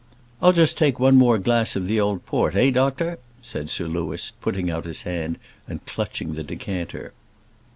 "I'll just take one more glass of the old port eh, doctor?" said Sir Louis, putting out his hand and clutching the decanter.